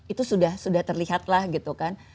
itu sudah terlihat lah gitu kan